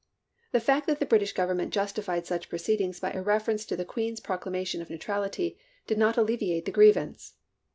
The fact that the British Government justified such proceedings by a reference to the Queen's proclamation of neu trality did not alleviate the grievance.